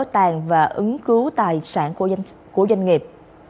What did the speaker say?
tàn và ứng cứu tài sản của doanh nghiệp